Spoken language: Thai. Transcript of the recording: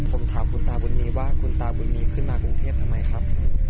ผมถามคุณตาบุญมีว่าคุณตาบุญมีขึ้นมากรุงเทพทำไมครับ